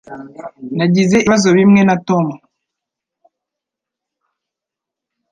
Nagize ibibazo bimwe na Tom.